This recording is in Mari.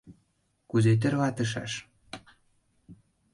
Кузе тӧрлатышаш?